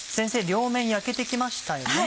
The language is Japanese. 両面焼けて来ましたよね？